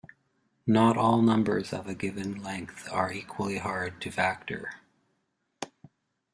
Not all numbers of a given length are equally hard to factor.